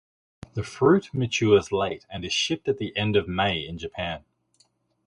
The fruit matures late and is shipped at the end of May in Japan.